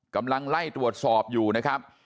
กำลังไล่ตรวจสอบอยู่นะครับ